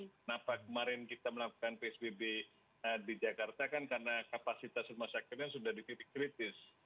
kenapa kemarin kita melakukan psbb di jakarta kan karena kapasitas rumah sakitnya sudah di titik kritis